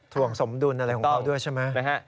วงสมดุลอะไรของเขาด้วยใช่ไหม